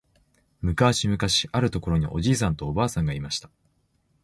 むかしむかしあるところにおじいさんとおばあさんがいました。